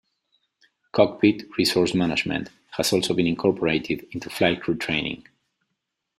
"Cockpit Resource Management" has also been incorporated into flight crew training.